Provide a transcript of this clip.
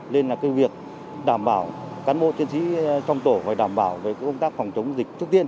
nên là cái việc đảm bảo cán bộ chiến sĩ trong tổ phải đảm bảo về công tác phòng chống dịch trước tiên